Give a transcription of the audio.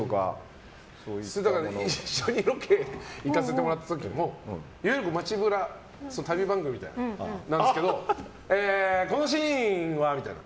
一緒にロケ行かせてもらった時もいわゆる街ブラ旅番組みたいなやつなんですがこのシーンはみたいな。